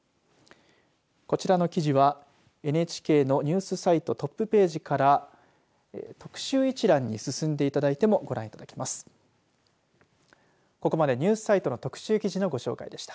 こちらの記事はＮＨＫのニュースサイトトップページから特集一覧に進んでいただいてもご覧いただけます。